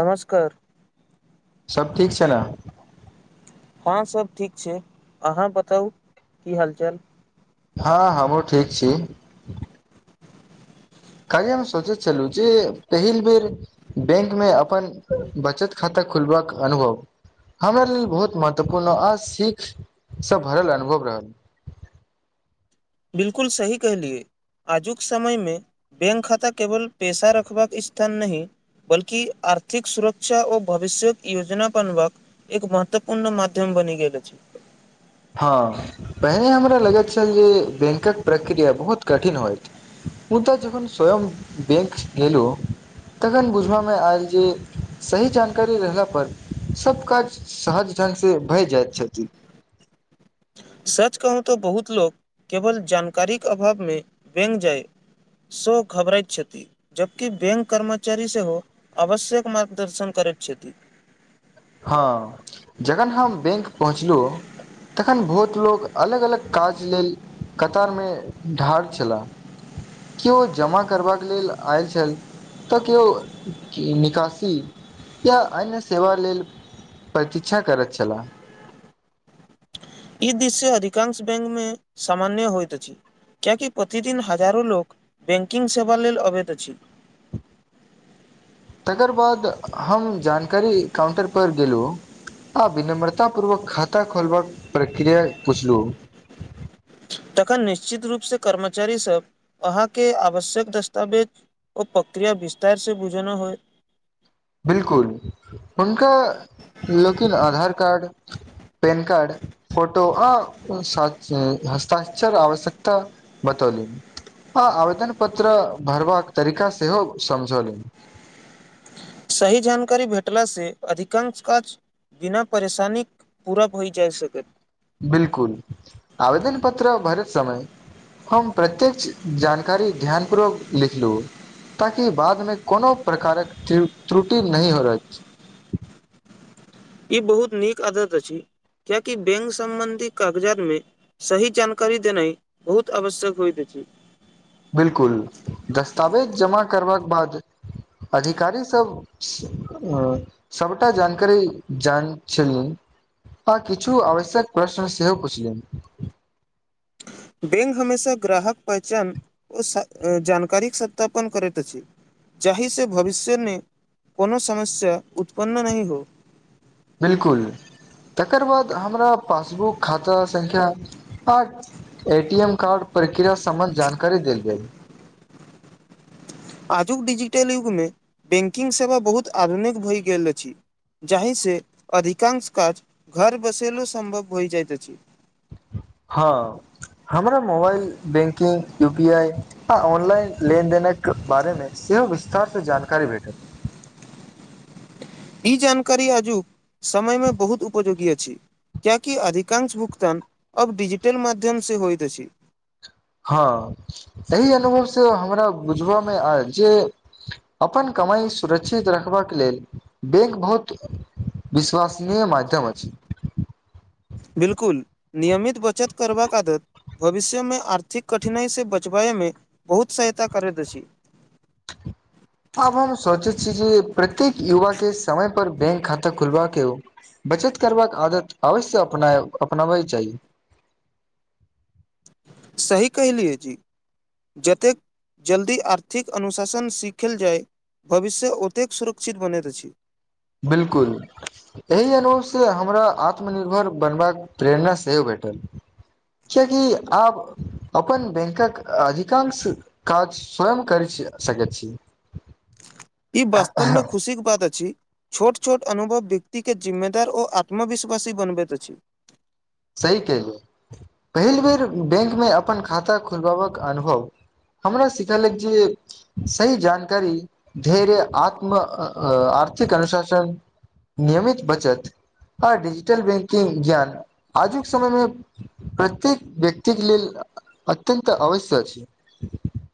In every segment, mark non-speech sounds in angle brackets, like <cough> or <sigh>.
नमस्कार सभ ठीक छै न हँ सब ठीक छै अहाँ बताउ की हालचाल हँ हमूँ ठीक छी काल्ही हम सोचैत छलहु जे पहिल बेर बैंक मे अपन बचत खाता खुलबाक अनुभव हमरा लेल बहुत महत्वपूर्ण आ सीखसँ भरल अनुभव रहल <unintelligible> बिल्कुल सही कहलिए आजुक समयमे बेंक खाता केवल पेशा रखबाक स्थान नहि बल्कि आर्थिक सुरक्षा ओ भविष्य्यक योजना बनबाक एक महत्वपूर्ण माध्यम बनी गेल अछि हँ पहिने हमरा लगैत छल जे बैंकक प्रक्रिया बहुत कठिन होइत मुदाऽ जन स्वयं बेंक गेलौ तखन बुझबा मे आयल जे सही जानकारी रहला पर सब काज सहज से भए जाइत छथि सच कहू तऽ बहुत लोक केवल जानकारीक अभावमे बेंक जाय सो घबराइ क्षति जबकि बेंक कर्मचारी सेहो हो आवश्यक मार्गदर्शन कर छथि हँ जखन हम बेंक पहुँचलहुँ तखन बहुत लोग अलग अलग काज लेल कतारमे ढार छलाह केओ जमा करबाक लेल आयल छल तऽ केओ निकासी या अन्य सेवा लेल प्रतीक्षा करैत छलाह ई दृश्य अधिकांश बेंकमे सामान्य होइत अछि कयाकि प्रतिदिन हजारो लोग बेंकिंग सेवा लेल अवैत अछि <unintelligible> तकर बाद हम जानकारी काउंटर प गेलु आ विनम्रता पूर्वक खाता खोलबाक प्रक्रिया पूछलू तखन निश्चित रूप से कर्मचारी सब अहाँके आवश्यक दस्तावेज ओ प्रक्रिया विस्तार से बुझाना होय बिलकुल कर पेन कार्ड फोटो आ साच हस्ताक्षर आवश्यकता बत हँ आवेदन पत्र भरबाक तरीका सेहो समझैलिन <unintelligible> सही जानकारी भेटला से अधिकांश काज बिना परेशानी पूरा होय जाय सकत बिल्कुल आवेदन पत्र भरैत समय हम प्रत्येक्ष जानकारी ध्यान पूर्वक लिखलहु ताकि बादमे कोनो प्रकारक त्रुटि नहि होत ई बहुत नीक आदत अछि कियाकि बेंक सम्बंधी कागजात में सही जानकारी देनाइ बहुत आवश्यक होय छै <unintelligible> बिल्कुल दस्तावेज जमा करबाक बाद अधिकारी सब सभटा जानकारी जान छलनि हँ किछु आवश्यक प्रश्न सेहो पुछलनि बेंक हमेशा ग्राहक पहचान ओ जानकारीक सत्यापन करैत अछि जाहि से भविष्यमे कोनो समस्या उत्पन्न नहि हो बिल्कुल तकर बाद हमरा पासबुक खाता संख्या आर एटी एम कार्ड प्रक्रिया सम्बन्ध जानकारी देल जाइ आजुक डिजिटल युगमे बैंकिंग सेवा बहुत आधुनिक भए गेल अछि जाहि से अधिकांश काज घर बैसलो सम्भव हो जाइत अछि हँ हमरा mobile banking U P I आ ऑनलाइन लेनदेनक बारेमे सेहो विस्तारसँ जानकारी भेटल ई जानकारी आजुक समयमे बहुत उपयोगी अछि क्यूकि अधिकांश भुगतान अब डिजिटल माध्यम से होइत अछि हँ एहि अनुभव से हमरा बुझबामे आयल जे अपन कमाई सुरक्षित रखबाक लेल बैंक बहुत विश्वासनीय माध्यम अछि बिलकुल नियमित बचत करबाक आदत भविष्य मे आर्थिक कठिनाई से बचबाए मे <inaudible> आब हम सोंचै छी जे प्रत्येक युवा के समय पर बैंक खाता खुलबा के हो बचत करबाक आदत अवश्य अप अपनाबै चाही <inaudible> सही कहलियै जी जतेक जल्दी आर्थिक अनुशासन सीखल जाय भविष्य ओतेक सुरक्षित बनैत अछि बिलकुल एहि अनुभवसँ हमरा आत्मनिर्भर बनबाक प्रेरणा सेहो भेटल कियाकि आब अपन बैंकक अधिकांश काज स्वयं करै छी जा सकैत छी ई वास्तवमे खुशीेक बात अछि छोट छोट अनुभव व्यक्तिके जिम्मेदार ओ आत्मविश्वासी बनबैत अछि सही कहलियै पहिल बेर बैंकमे अपन खाता खोलेबाबक अनुभव हमरा सिखेलक जे सही जानकारी धैर्य आत्म अ आत्म आर्थिक अनुशासन नियमित बचत आ डिजिटल बैंकिंग ज्ञान आजुक समयमे प्रत्येक व्यक्तिकेँ लेल अत्यन्त अवश्य छै <inaudible>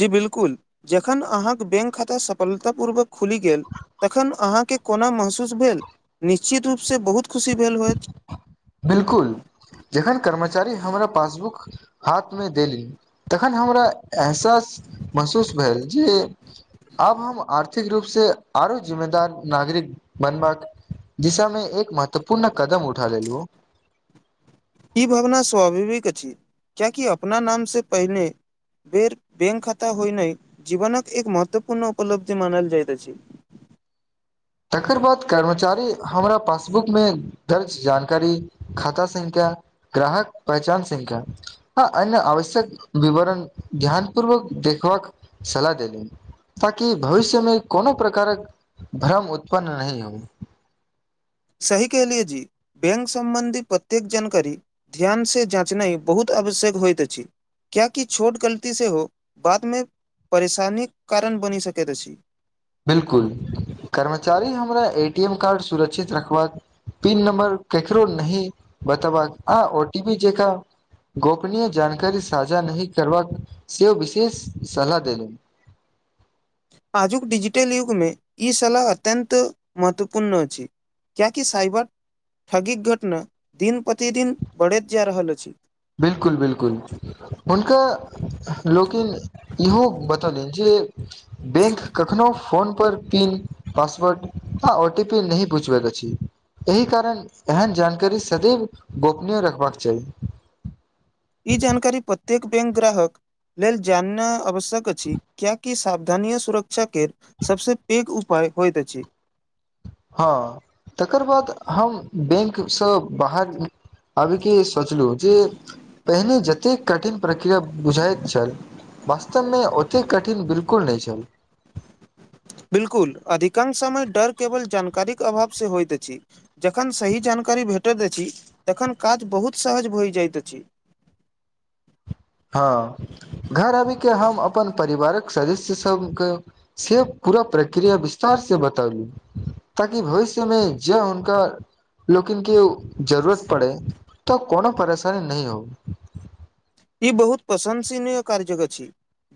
जी बिल्कुल जखन अहाँक बैंक खाता सफलतापूर्वक खुलि गेल तखन अहाँ के कोनो महसूस भेल निश्चित रूपसँ बहुत खुशी भेल होयत बिलकुल जखन कर्मचारी हमरा पासबुक हाथमे देलीन तखन हमरा एहसास महसूस भेल जे आब हम आर्थिक रूप से आरो जिम्मेदार नागरिक बनबाक दिशामे एक महत्वपूर्ण कदम उठालेलहु ई भावना स्वाभाविक अछि कियाकि अपना नामसँ पहिने बेर बैंक खाता होनाइ जीवनक एक महत्वपूर्ण उपलब्धि मानल जाइत अछि <inaudible> तकर बाद कर्मचारी हमरा पासबुकमे दर्ज जानकारी खाता संख्या ग्राहक पहचान संख्या हँ एहिमे आवश्यक विवरण ध्यानपूर्वक देखबाक सलाह देलनि ताकि भविष्यमे कोनो प्रकारक भ्रम उत पन्न नहि होइ सही कहलियै जी बैंक संबंधी प्रत्येक जानकारी ध्यान से जाँचनाइ बहुत आब श्यक होइत अछि कियाकि छोट गलती से हो बादमे परेशानीक कारण बनि सकैत अछि बिलकुल कर्मचारी हमरा ए टी एम कार्ड सुरक्षित रखबाक पीन नम्बर ककरो नहि बतेबाक आ ओ टी पी जेकाँ गोपनीय जानकारी साझा नहि करबाक से ओ विशेष सलाह देेलनि <inaudible> आजुक डिजिटल युगमे ई सलाह अत्यन्त महत्वपूर्ण अछि। कियाकि साइबर ठगीक घटना दिन प्रतिदिन बढ़ैत जा रहल अछि। बिल्कुल बिल्कुल हुनका नहि जे बैंक कखनो फोन पर पिन पासवर्ड आ ओ टी पी नहि बुछबबाक अछी। एहि कारण एहन जानकारी सदैव गोपनीय रखबाक चाही। ई जानकारी प्रत्येक बैंक ग्राहक लेल जानना आवश्यक अछि कियाकी साब स्थनीय सुरक्षाके सभसँ पैघ उपाय होइत अछि। हँ तकर बाद हम बैंकसँ बाहर अबी के सोचलहु जे पहिने जतेक कठिन प्रक्रिया बुझाइत छल वास्तवमे ओतेक कठिन बिलकुल नहि छल। बिल्कुल अधिकांश समय डर केवल जानकारीक अभावसँ होइत अछि जखन सही जानकारी करी भेटैत दैत छी तखन काज बहुत सहज भऽ जाइत अछि। <inaudible> हँ घर आबि के हम अपन परिवारक सदस्य सभके से पूरा प्रक्रिया विस्तार से बताली ताकि भविष्य मे ज हुनका लोकेन के जरूरत पड़े तऽ कोनो परेशानी नहि हो ई बहुत प्रशंसनीय कार्य अछि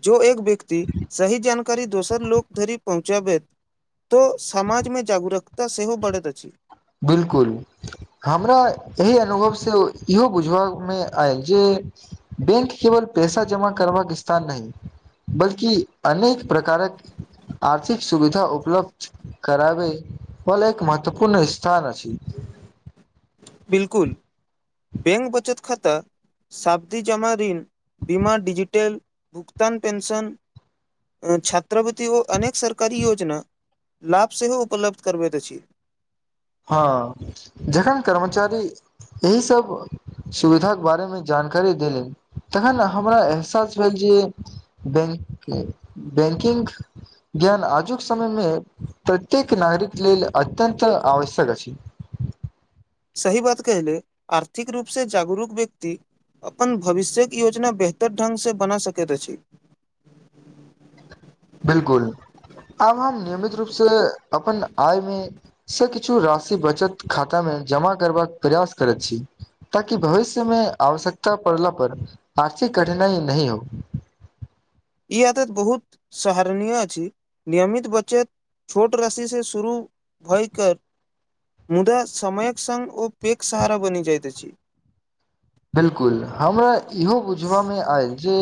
जो एक व ती सही जानकारी दोसर लोको धरि पहुँची चब तो समाजमे जागरूकता सेहो बढ़ैत अछि। बिल्कुल हमरा एहि अनुभव से इहो बुझबामे आयल जे बैंक केवल पैसा जमा करबाक स्थान नहि बल्कि अनेक प्रकारक आर्थिक सुविधा उपलब्ध कराबे हल एक महत्वपूर्ण अछि। स्थान अछि। बिल्कुल बैंक बचत खाता शाबदी जमाऋ बीमा डजिटल भुगतान पेंशन छात्रवृति ओ अनेक सरकारी योजना लाभ सेहो उपलब्ध करबैत अछि। हाँ जेखन कर्मचारी एहि सब सुविधाके बारेमे जानकारी देलनि तहन हमरा एहसास भेल जे बैंक बैकिंग ज्ञान आजुक समयमे प्रत्येक नागरिक लेल अत्यन्त आवश्यक अछि सही बात कह ले आर्थिक रूप से जागरूक व्यक्ति अपन भविष्य्यक योजना बेहतर ढंगसे बना सकैत अछि बिल्कुल आब हम नियमित रूप से अपन आय मे से किछु राशि बचत खाता मे जमा करबाक प्रयास करैत छी ताकि भविष्यमे आवश्यकता पड़ला पर आ आर्थीक कठिनाई नहि हो। ई आदत बहुत सहरनीय अछि नियमित बचत छोट राशी से शुरू भय क मुदा समयक संग ओ पैक सहारा बनि जाइत अछि। बिल्कुल हमरा इहो बुझबामे आयल जे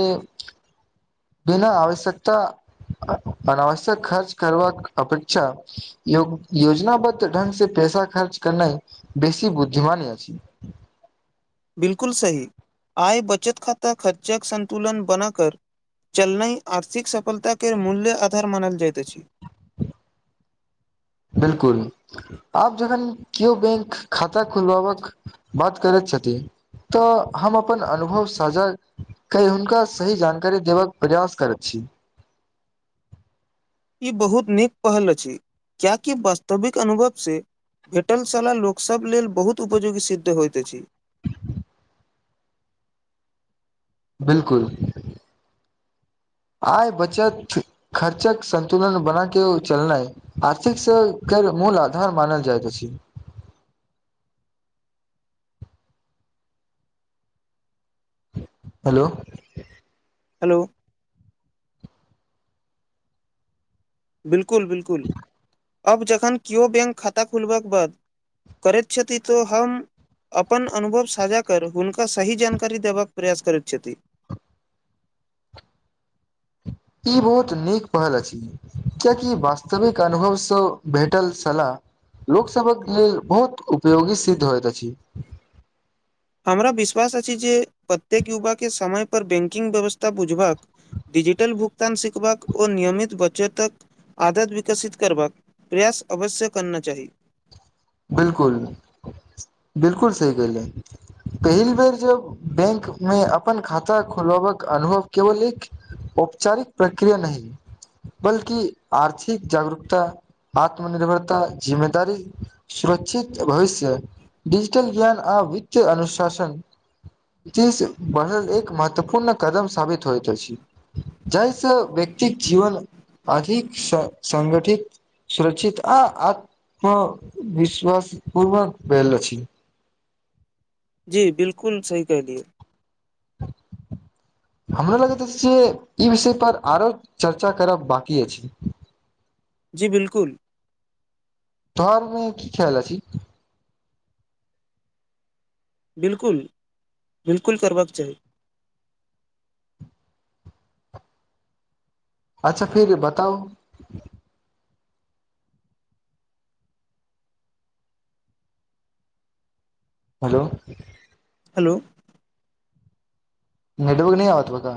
बिना आवश्यकता अनावश्यक खर्च करबाक अपेक्षा योजनाबद्ध ढंग से पे पैसा खर्च करना बेसी बुद्धिमानी अछि। बिल्कुल सही आय बचत खाता खर्चाके सन्तुलन बना कर चलनाई आर्थिक सफलताके मूल्य आधार मानल जाइत अछि। <inaudible> बिल्कुल आप जखन केओ बैंक खाता खुलबबाक बात करे छथि तऽ हम अपन अनुभव साझा हुनका सही जानकारी देबबाक प्रयास करैत छी। <inaudible> ई बहुत नीक पहल अछि कियाकि वास्तविक अनुभव से भेटल साला लोकसब लेल बहुत उपयोगी सिद्ध होइत अछि बिल्कुल आय बचत खर्चक संतुलन बना क चलना ह आर्थिक से कर मूल आधार मानल जाइत छै हेलो हेलो बिल्कुल बि्लकुल अब जखन कियो बैंक खाता खुलबाक बाद करिछति तो हम अपन अनुभव साझा कर हुनका सही जानकारी देबाक प्रयास करैत छथि <inaudible> ई बहुत नीक पहल अछि कियकि वास्तविक अनुभवसे भेटल सलाह लोकसबक लेल बहुत उपयोगी सिद्ध होइत अछि हमरा विश्वास अछि जे प्रत्येक युवा के समय पर बैकिंग व्यवस्था बुझबाक डिजिट होटल भुगतान सिखबाक ओ नियमित बचतक आदत विकसित करबाक प्रयास अवश्य करना चाही बिलकुल बिलकुल सही कहलै पहिल बेर जब बैंक मे अपन खाता खोलबाकक अनुभव केवल एक औपचारिक प्रक्रिया नहि बल्कि आर्थिक जागरूकता आत्मनिर्भरता जिम्मेदारी सुरक्षित भविष्य डिजिटल ज्ञान आ वित्तय अनुशासन बनल एक महत्वपूर्ण कदम सााबित होइत अछि जाहिसँ व प्रत जीवन अधिक सगठित सुर्षित आ आत्म विश्वास पूर्वक भेलेल छी जी बिलकुल सही कहलियए <inaudible> हमरा लगैत अछि जे ई विषयपर आरो चर्चा करब बकी अछि <inaudible> बिलकुल तोहर एहिमे की ख्याल अछि। बिलकुल बिलकुल करबाक चाही अच्छा फिर बताउ हेलो हेलो नेटवर्क नहि आत बका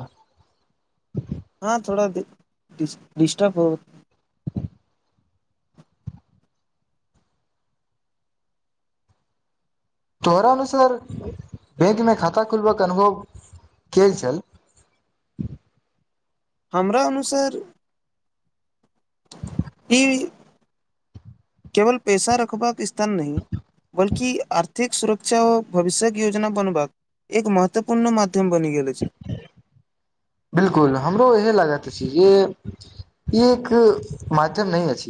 हँ थोड़ािडिस्टर्ब हो तोहरानुसर बैंकमे खाता खोलबयके अनुभव क छल <inaudible> हमरा अनुसार ई केवल पैसा रखबाक स्थान नहि बल्कि आर्थिक सुरक्षा व भविष्यक योजना बनबाक एक महत्वपूर्ण मध्य बिलकुल हमरो इहे लागत जे ई एक माध्यम नहि अस